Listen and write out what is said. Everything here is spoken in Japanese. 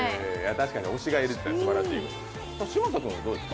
確かに推しがいるってすばらしい。